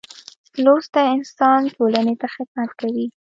لوستی انسان ټولنې ته خدمت کوي.